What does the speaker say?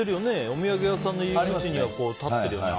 お土産屋さんの入り口には立ってるよね。